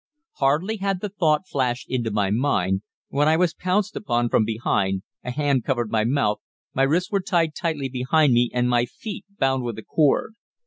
Hardly had the thought flashed into my mind when I was pounced upon from behind, a hand covered my mouth, my wrists were tied tightly behind me, and my feet bound with a cord.